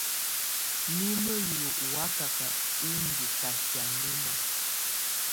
Nimǝ́ hiwǝ ɔ́ wakaka ɔ́ ndɔ́ kasianɛna.